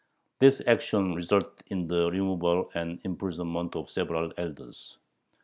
This action resulted in the removal and imprisonment of several elders.